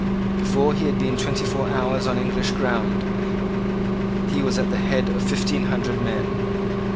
Before he had been twenty four hours on English ground he was at the head of fifteen hundred men.